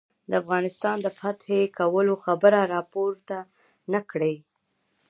د افغانستان د فتح کولو خبره را پورته نه کړي.